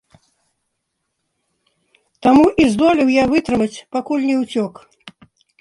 Таму і здолеў я вытрымаць, пакуль не ўцёк.